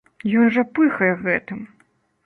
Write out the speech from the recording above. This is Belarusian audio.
Ён жа пыхае гэтым!